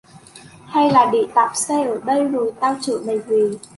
hay là để tamj xe ở đây rồi tao chở mày về